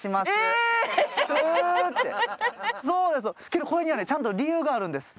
けどこれにはねちゃんと理由があるんです。